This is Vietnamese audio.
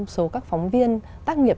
số các phóng viên tác nghiệp